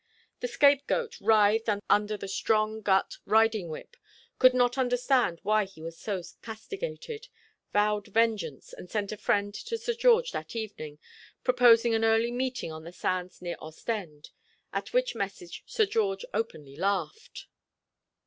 The scapegoat writhed under the strong gut riding whip, could not understand why he was so castigated, vowed vengeance, and sent a friend to Sir George that evening, proposing an early meeting on the sands near Ostend; at which message Sir George openly laughed.